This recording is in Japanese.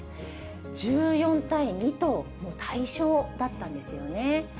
１４対２と、もう大勝だったんですよね。